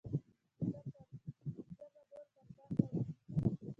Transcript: زه به نور پر ځان باوري کړم.